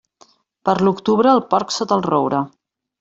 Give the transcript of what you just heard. Per l'octubre, el porc sota el roure.